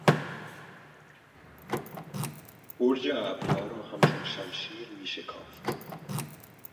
برج ابرها را همچون شمشیر میشکافت.